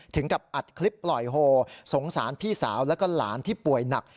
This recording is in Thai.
กับอัดคลิปปล่อยโฮสงสารพี่สาวแล้วก็หลานที่ป่วยหนัก